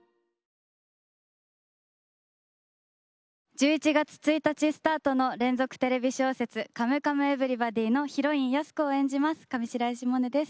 １１月１日スタートの連続テレビ小説「カムカムエヴリバディ」のヒロイン安子を演じます上白石萌音です。